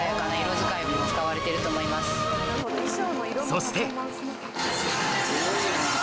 そして